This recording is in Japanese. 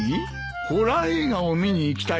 ホラー映画を見に行きたいだと？